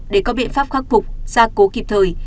để có biện pháp khắc phục gia cố kịp thời